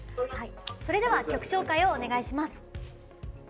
それでは曲紹介をお願いします。